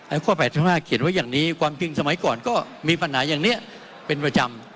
ข้อ๘๕เขียนไว้อย่างนี้ความจริงสมัยก่อนก็มีปัญหาอย่างนี้เป็นประจำ